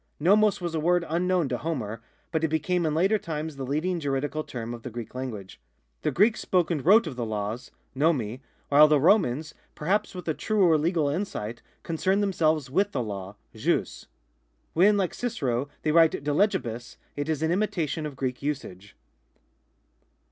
NoMoc was a word unknown to Homer, but it became in later times the leading juridical term of the Greek language. The Greeks spoke and wrote of the laws ( t'onoi). while the Romans, perhaps with a truer legal insight, concerned themselves with the law (jus). When, like Cicero, they write de legihus, it is in imitation of Greek usage.